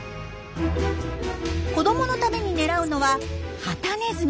子どものために狙うのはハタネズミ。